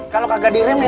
kalau kagak diremeh nabrak